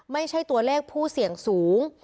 ไม่ใช่ตัวเลขผู้เสี่ยงสูง